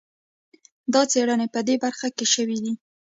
دا څېړنې په دې برخه کې شوي دي.